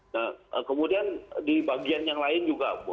nah kemudian di bagian yang lain juga membuat surat kesan